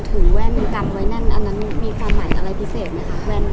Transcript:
ถือแว่งชักไหว้นั้นมีความหมายอะไรพิเศษแว่น